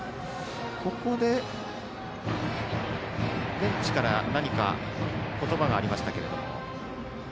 ここで、ベンチから何か言葉がありましたけれども。